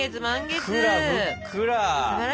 ふっくらふっくら！